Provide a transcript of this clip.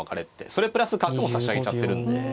それプラス角も差し上げちゃってるんで。